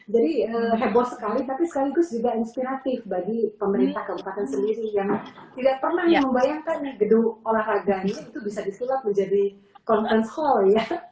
jadi heboh sekali tapi sekaligus juga inspiratif bagi pemerintah kelupakan sendiri yang tidak pernah membayangkan gedung olahraganya itu bisa diselak menjadi conference hall